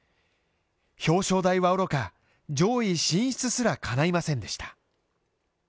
表彰台はおろか、上位進出すら叶いませんでした。